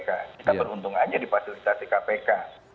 kita beruntung aja di fasilitasi kpk